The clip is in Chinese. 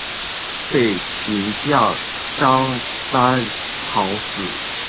被秦将章邯讨死。